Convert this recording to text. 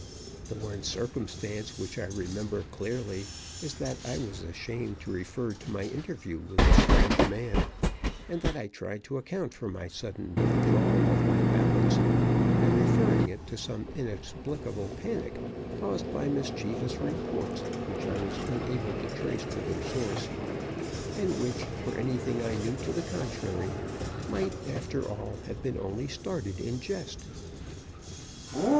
The one circumstance which I remember clearly is that I was ashamed to refer to my interview with the strange man, and that I tried to account for my sudden withdrawal of my balance by referring it to some inexplicable panic, caused by mischievous reports which I was unable to trace to their source, and which, for anything I knew to the contrary, might, after all, have been only started in jest.